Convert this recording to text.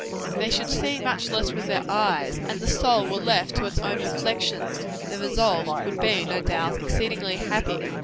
If they should see much less with their eyes, and the soul were left to its own reflections, the result would be, no doubt, exceedingly happy.